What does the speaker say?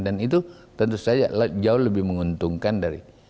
dan itu tentu saja jauh lebih menguntungkan dari